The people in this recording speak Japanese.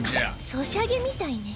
ソシャゲみたいね。